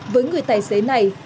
với người tài xế này